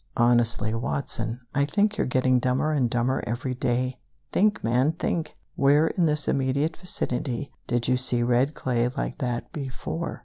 "Honestly, Watson, I think you're getting dumber and dumber every day! Think, man, think! Where in this immediate vicinity did you see red clay like that before?"